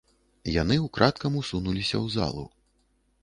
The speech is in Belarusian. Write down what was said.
Яны ўкрадкам усунуліся ў залу.